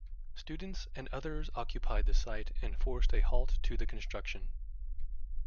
Students and others occupied the site and forced a halt to the construction.